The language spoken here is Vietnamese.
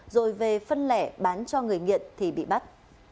rồi về phân lẻ bán cho người nghiện thì bị bắt